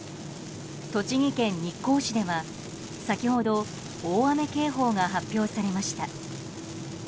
栃木県日光市では先ほど、大雨警報が発表されました。